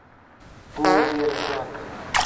هو، ډیره زیاته